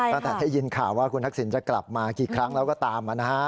ตั้งแต่ได้ยินข่าวว่าคุณทักษิณจะกลับมากี่ครั้งแล้วก็ตาม